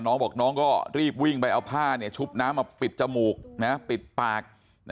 น้องบอกน้องก็รีบวิ่งไปเอาผ้าชุบน้ำมาปิดจมูกปิดปาก